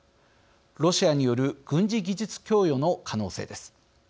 ロシアによる軍事技術供与の可能性です。